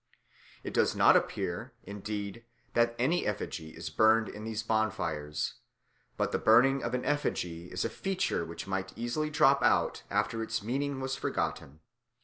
It does not appear, indeed, that any effigy is burned in these bonfires; but the burning of an effigy is a feature which might easily drop out after its meaning was forgotten.